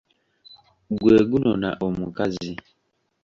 Gwe gunona omukazi.